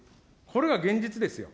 これが現実ですよ。